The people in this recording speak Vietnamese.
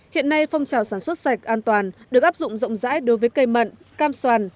hiện nay phong trào sản xuất sạch an toàn được áp dụng rộng rãi đối với cây mận cam soàn